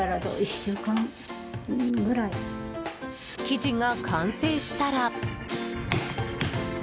生地が完成したら。